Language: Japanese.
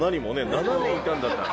７年いたんだったら。